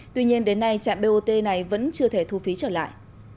tuy nhiên đến nay trạm bot này vẫn chưa thể thu phí trở lại